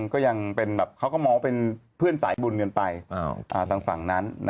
เขาก็มองเป็นเพื่อนสายบุญเงินไปทางฝั่งนั้น